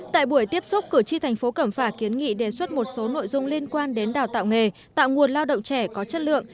tại buổi tiếp xúc cử tri thành phố cẩm phả kiến nghị đề xuất một số nội dung liên quan đến đào tạo nghề tạo nguồn lao động trẻ có chất lượng